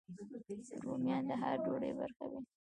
رومیان د هر ډوډۍ برخه وي